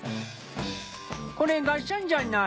これがっしゃんじゃない？